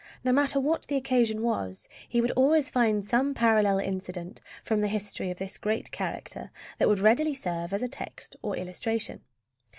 No matter what the occasion was, he would always find some parallel incident from the history of this great character that would readily serve as a text or illustration.